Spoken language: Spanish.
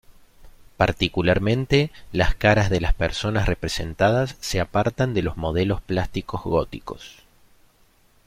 Particularmente, las caras de las personas representadas se apartan de los modelos plásticos góticos.